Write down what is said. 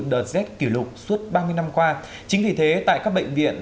đợt rét kỷ lục suốt ba mươi năm qua chính vì thế tại các bệnh viện